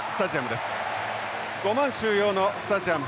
５万収容のスタジアム。